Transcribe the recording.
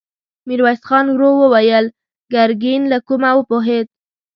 ميرويس خان ورو وويل: ګرګين له کومه وپوهېد؟